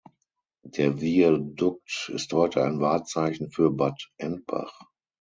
Der Viadukt ist heute ein Wahrzeichen für Bad Endbach.